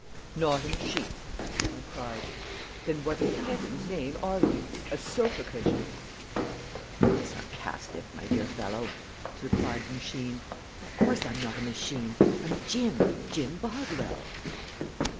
"Not a machine!" I cried. "Then what in Heaven's name are you? a sofa cushion?" "Don't be sarcastic, my dear fellow," replied the machine. "Of course I'm not a machine; I'm Jim Jim Boswell."